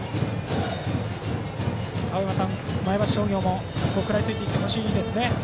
青山さん、前橋商業も食らいついていってほしいですね。